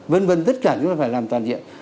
vân vân tất cả chúng ta phải làm toàn diện